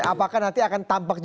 apakah nanti akan tampak itu